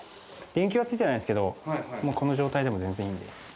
電球はついてないですけど、この状態でも全然いいんで。